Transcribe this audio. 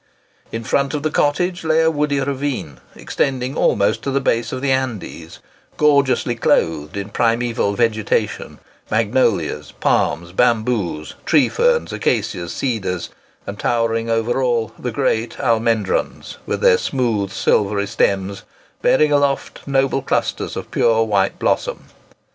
In front of the cottage lay a woody ravine, extending almost to the base of the Andes, gorgeously clothed in primeval vegetation—magnolias, palms, bamboos, tree ferns, acacias, cedars; and, towering over all, the great almendrons, with their smooth, silvery stems, bearing aloft noble clusters of pure white blossom.